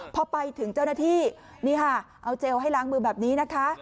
พอไปถึงเจ้าหน้าที่นี่ค่ะเอาเจลให้ล้างมือแบบนี้นะคะ